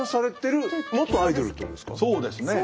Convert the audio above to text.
そうですね。